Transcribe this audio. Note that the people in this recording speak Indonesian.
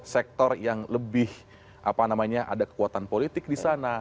sektor yang lebih apa namanya ada kekuatan politik di sana